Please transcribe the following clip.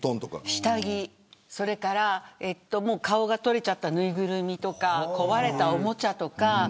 下着や顔が取れた縫いぐるみとか壊れたおもちゃとか。